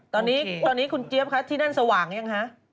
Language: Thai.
ตอนนี้คุณเจี๊ยบคะที่นั่นสว่างยังคะ